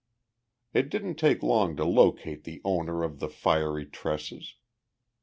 It didn't take long to locate the owner of the fiery tresses.